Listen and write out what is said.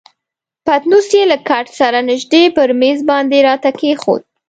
پتنوس یې له کټ سره نژدې پر میز باندې راته کښېښود.